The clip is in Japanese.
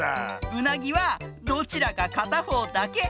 うなぎはどちらかかたほうだけ！